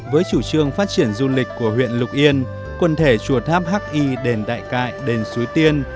với chủ trương phát triển du lịch của huyện lục yên quần thể chùa tháp hi đền đại cại đền suối tiên